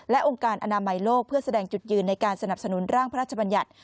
และองค์การอนามัยโลกเพื่อแสดงจุดยืนในการสนับสนุนร่างพระราชบัญญัติ